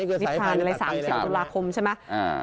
นิทานอะไร๓๐ตุลาคมใช่ไหม